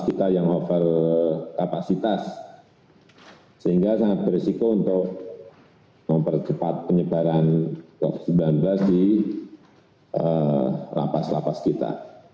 kita yang over kapasitas sehingga sangat beresiko untuk mempercepat penyebaran covid sembilan belas di lapas lapas kita